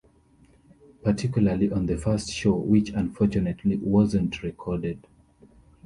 Particularly on the first show, which unfortunately wasn't recorded.